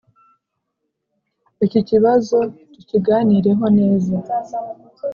iki kibazo tukiganireho neza